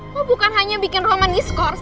kok bukan hanya bikin roman discourse